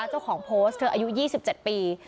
เจ้าของโพสต์เธออายุ๒๗ปี